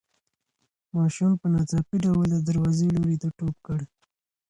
ماشوم په ناڅاپي ډول د دروازې لوري ته ټوپ کړ.